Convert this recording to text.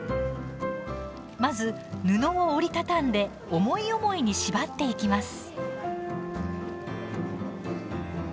まず、布を折り畳んで思い思いに縛っていきます。